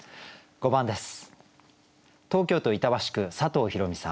５番です。